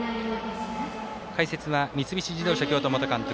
解説は三菱自動車京都元監督